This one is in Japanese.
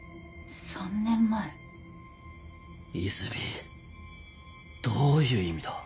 和泉どういう意味だ？